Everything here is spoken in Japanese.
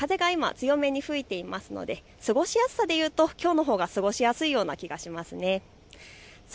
風が強めに吹いていますので過ごしやすさでいうときょうのほうが過ごしやすいと思います。